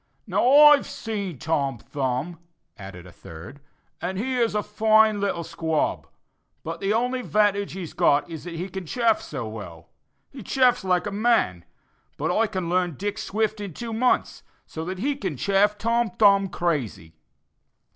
"Now, I've seen Tom Thumb," added a third, "and he is a fine little squab, but the only 'vantage he's got is he can chaff so well. He chaffs like a man; but I can learn Dick Swift in two months, so that he can chaff Tom Thumb crazy."